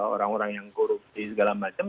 orang orang yang korupsi segala macam